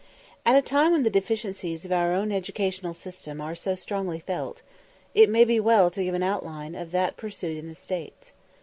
At a time when the deficiencies of our own educational system are so strongly felt, it may be well to give an outline of that pursued in the States.